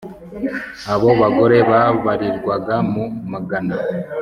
abo bagore babarirwaga mu magana